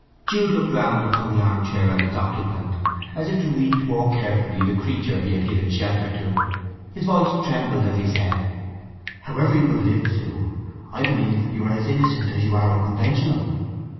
Jude looked round upon the arm chair and its occupant, as if to read more carefully the creature he had given shelter to. His voice trembled as he said: "However you have lived, Sue, I believe you are as innocent as you are unconventional!"